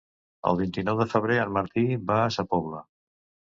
El vint-i-nou de febrer en Martí va a Sa Pobla.